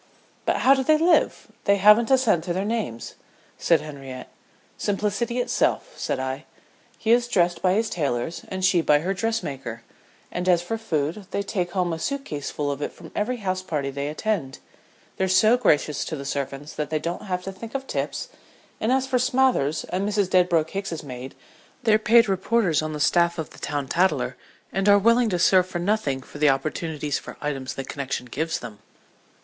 "But how do they live? they haven't a cent to their names," said Henriette. "Simplicity itself," said I. "He is dressed by his tailors and she by her dressmaker; and as for food, they take home a suit case full of it from every house party they attend. They're so gracious to the servants that they don't have to think of tips; and as for Smathers, and Mrs. Dedbroke Hicks's maid, they're paid reporters on the staff of The Town Tattler and are willing to serve for nothing for the opportunities for items the connection gives them."